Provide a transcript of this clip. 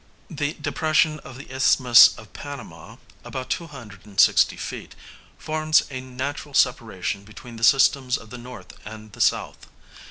The depression of the Isthmus of Panama (about 260 feet) forms a natural separation between the systems of the north and the south.